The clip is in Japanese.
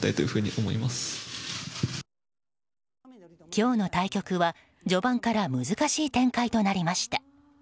今日の対局は序盤から難しい展開となりました。